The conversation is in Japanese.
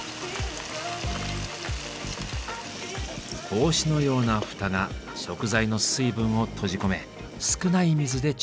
帽子のような蓋が食材の水分を閉じ込め少ない水で調理ができる。